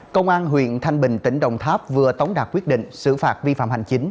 công an huyện thanh bình tỉnh đồng tháp vừa tống đạt quyết định xử phạt vi phạm hành chính